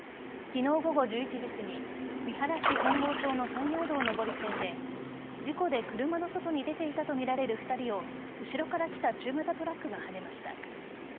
昨日午後１１時すぎ三原市本郷町の山陽道上り線で事故で車の外に出ていたとみられる２人を後ろから来た中型トラックがはねました。